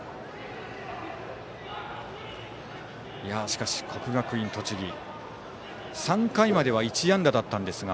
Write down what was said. しかし、国学院栃木３回までは１安打だったんですが